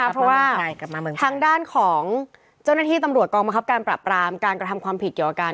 เป็นยังไงแล้วคะ